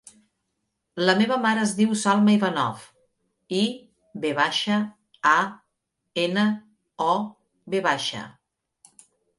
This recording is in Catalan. La meva mare es diu Salma Ivanov: i, ve baixa, a, ena, o, ve baixa.